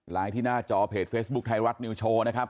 ที่หน้าจอเพจเฟซบุ๊คไทยรัฐนิวโชว์นะครับ